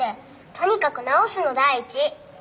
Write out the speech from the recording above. とにかく治すの第一！